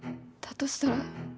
としたら